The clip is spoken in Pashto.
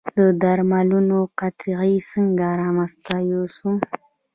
د درملو قطۍ څنګه له منځه یوسم؟